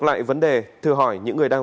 lại vấn đề thử hỏi những người đang